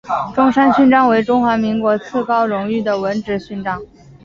中山勋章为中华民国次高荣誉的文职勋章。